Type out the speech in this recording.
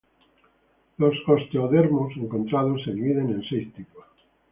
Los osteodermos encontrados se dividen en seis tipos.